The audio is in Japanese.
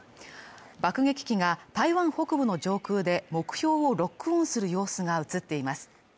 爆撃機が台湾北部の上空で目標をロックオンする様子が映っています。